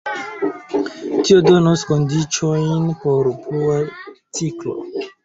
Tio donos kondiĉojn por plua ciklo.